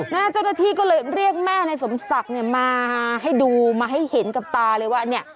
เจ้าหน้าที่ก็เลยเรียกแม่ในสมศักดิ์เนี่ยมาให้ดูมาให้เห็นกับตาเลยว่าเนี่ย